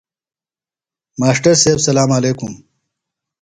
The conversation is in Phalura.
ماݜٹر سیب سلام علیکم۔